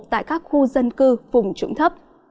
tại các khu dân cư vùng trụng thấp